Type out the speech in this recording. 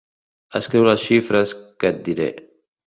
Escriu les xifres que et diré.